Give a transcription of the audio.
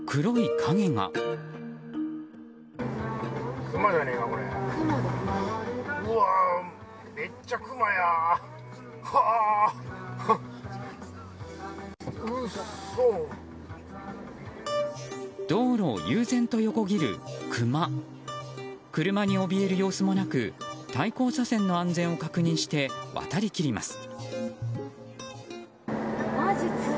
車におびえる様子もなく対向車線の安全を確認して渡り切ります。